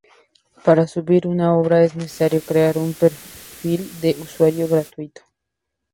Para subir una obra es necesario crear un perfil de usuario gratuito.